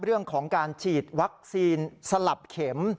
เรื่องของการฉีดวัคซีนสลับเข็ม